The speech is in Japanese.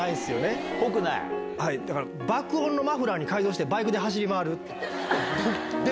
だから、爆音のマフラーに改造して、バイクで走り回る。